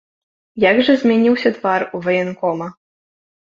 Як жа змяніўся твар у ваенкома!